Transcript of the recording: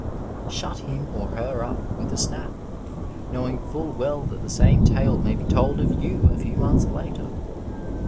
Shut him or her up with a snap, knowing full well that the same tale may be told of you a few months later.